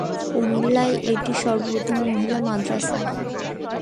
কুমিল্লায় এটিই সর্বপ্রথম মহিলা মাদ্রাসা।